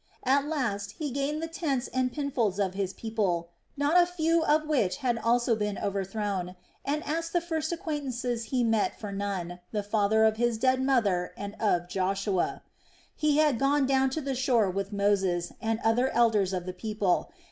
At last he gained the tents and pinfolds of his people, not a few of which had also been overthrown, and asked the first acquaintances he met for Nun, the father of his dead mother and of Joshua. He had gone down to the shore with Moses and other elders of the people.